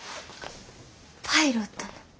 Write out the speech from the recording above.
パイロットの。